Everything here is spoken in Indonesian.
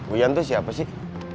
uyan tuh siapa sih